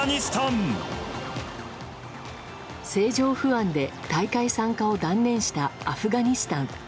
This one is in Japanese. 政情不安で大会参加を断念したアフガニスタン。